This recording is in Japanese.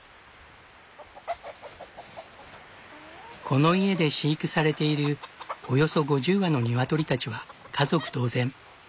この家で飼育されているおよそ５０羽の鶏たちは家族同然。